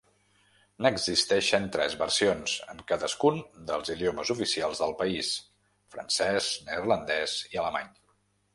N'existeixen tres versions, en cadascun dels idiomes oficials del país, francès, neerlandès i alemany.